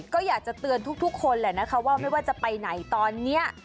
ก็อยากจะเตือนทุกคนแหละนะคะว่าไม่ว่าจะไปไหนตอนนี้